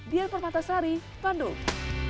di alper matasari bandung